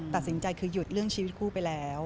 ตัดสินใจคือหยุดเรื่องชีวิตคู่ไปแล้ว